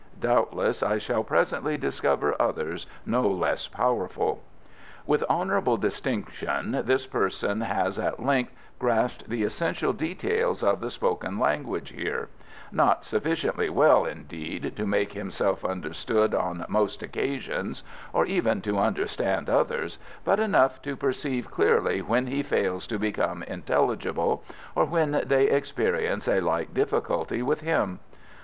Doubtless I shall presently discover others no less powerful. With honourable distinction this person has at length grasped the essential details of the spoken language here not sufficiently well, indeed, to make himself understood on most occasions, or even to understand others, but enough to perceive clearly when he fails to become intelligible or when they experience a like difficulty with him.